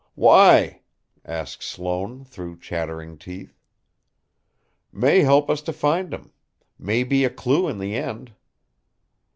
"Why?" asked Sloane, through chattering teeth. "May help us to find him may be a clue in the end."